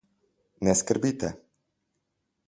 Ne skrbite.